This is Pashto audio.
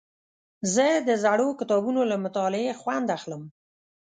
زه د زړو کتابونو له مطالعې خوند اخلم.